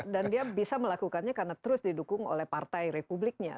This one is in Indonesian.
dan dia bisa melakukannya karena terus didukung oleh partai republiknya